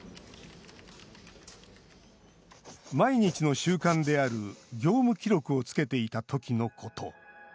毎日の習慣である業務記録をつけていたときのこと。